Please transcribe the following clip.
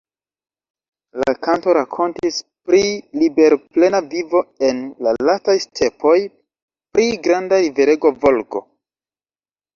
La kanto rakontis pri liberplena vivo en la vastaj stepoj, pri granda riverego Volgo.